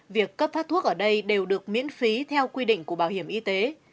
việc cấp phát thuốc ở đây đều được miễn phí theo quy định của bảo hiểm y tế